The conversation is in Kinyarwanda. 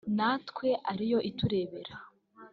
natwe ariyo itureberera